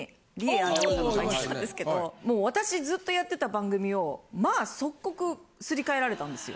アナウンサーが入ってきたんですけどもう私ずっとやってた番組をまあ即刻すり替えられたんですよ。